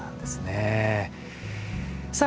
さあ